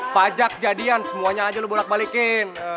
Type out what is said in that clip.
pajak jadian semuanya aja lu bolak balikin